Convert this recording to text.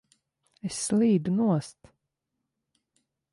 Es slīdu nost!